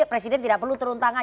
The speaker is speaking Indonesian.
presiden tidak perlu turun tangan